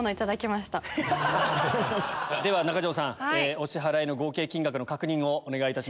お支払いの合計金額の確認をお願いいたします。